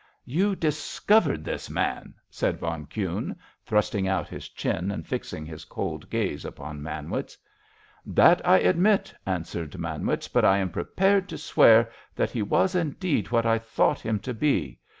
"You discovered this man!" said von Kuhne, thrusting out his chin and fixing his cold gaze upon Manwitz. "That I admit," answered Manwitz; "but I am prepared to swear that he was indeed what I thought him to be.